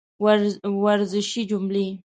ورزشي جملې